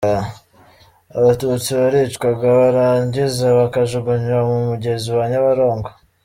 Abatutsi baricwaga barangiza bakajugunywa mu mugezi wa Nyabarongo.